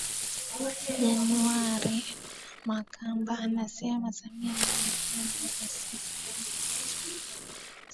January Makamba anasema Samia ni miongoni mwa wanasiasa wenye uwezo mkubwa